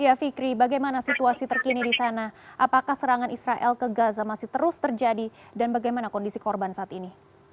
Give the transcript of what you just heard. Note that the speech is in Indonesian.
ya fikri bagaimana situasi terkini di sana apakah serangan israel ke gaza masih terus terjadi dan bagaimana kondisi korban saat ini